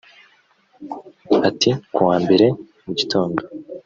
Ati "Ku wa mbere mu gitondo